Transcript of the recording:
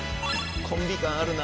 コンビ感あるな。